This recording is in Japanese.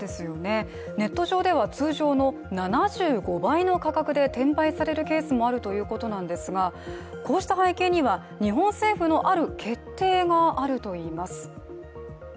ネット上では通常の７５倍の価格で転売されるケースもあるということなんですがこうした背景には、日本政府のある決定があるといいます。